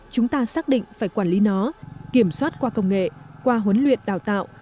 chúng ta xác định phải quản lý nó kiểm soát qua công nghệ qua huấn luyện đào tạo